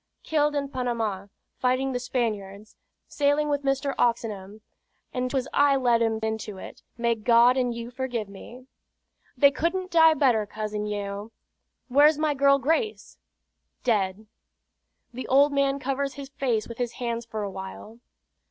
"Killed in Panama, fighting the Spaniards; sailing with Mr. Oxenham; and 'twas I led 'em into it. May God and you forgive me!" "They couldn't die better, Cousin Yeo. Where's my girl Grace?" "Dead." The old man covers his face with his hands for a while.